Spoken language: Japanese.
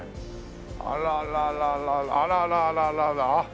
あらららあらららあっ。